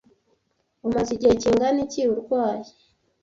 Umaze igihe kingana iki urwaye?